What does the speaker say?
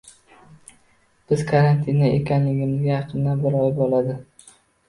Biz karantinda ekanligimizga yaqinda bir oy bo`ladi